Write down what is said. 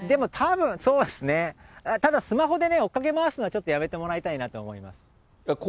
怖いですよね、ただ、スマホで追っかけ回すのはやめてもらいたいなと思います。